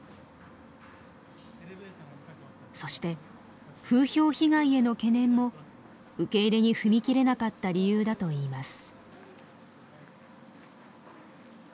そして風評被害への懸念も受け入れに踏み切れなかった理由だといいます。